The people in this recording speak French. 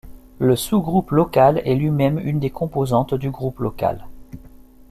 Le Sous-groupe local est lui-même une des composantes du Groupe local.